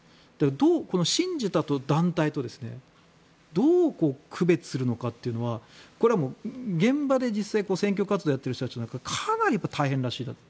この信者と団体とどう区別するのかというのはこれはもう現場で実際選挙活動をやっている人たちはかなり大変らしいです。